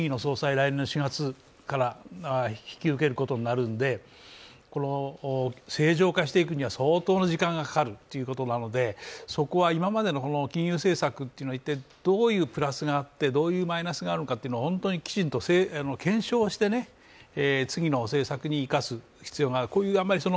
来年４月から引き受けることになるので、正常化していくには相当な時間がかかるのでそこは今までの金融政策っていうのが一体どういうプラスがあって、どういうマイナスがあるのか、きちんと検証して次の政策に生かす必要が。